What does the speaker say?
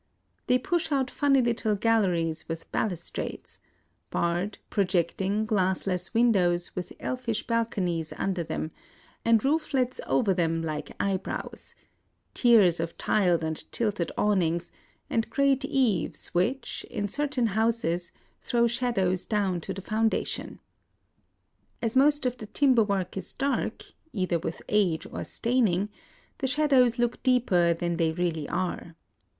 They push out funny little galleries with balus trades ; barred, projecting, glassless windows with elfish balconies under them, and rooflets over them like eyebrows ; tiers of tiled and tilted awnings ; and great eaves which, in cer tain hours, throw shadows down to the foun 142 IN OSAKA dation. As most of the timber work is dark, ■— either with age or staining, — the shadows look deeper than they really are.